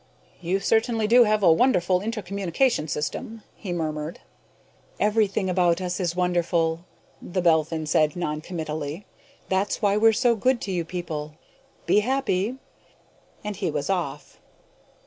"You certainly do have a wonderful intercommunication system," he murmured. "Everything about us is wonderful," the Belphin said noncommittally. "That's why we're so good to you people. Be happy!" And he was off.